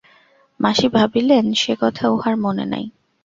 মাসি ভাবিলেন, সে কথা উহার মনে নাই।